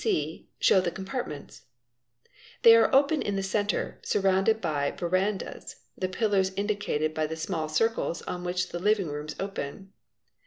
C, C, C, show the ~ compartments. They are open in the centre, surrounded by veranda (the pillars indicated by the small circles) on which the living rooms open.